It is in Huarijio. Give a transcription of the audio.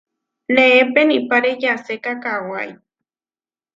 Neé penipáre yaséka kawái.